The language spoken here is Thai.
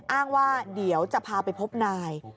อ้างว่าเดี๋ยวจะพาไปพบนาย